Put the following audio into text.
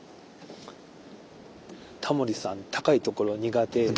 タモリさん高いところ苦手。